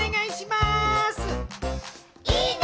いいね！